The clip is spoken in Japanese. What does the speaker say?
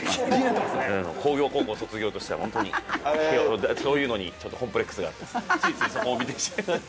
工業高校卒業としては本当にこういうのにコンプレックスがあってついついそこを見てしまう。